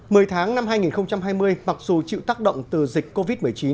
mười tháng năm hai nghìn hai mươi mặc dù chịu tác động từ dịch covid một mươi chín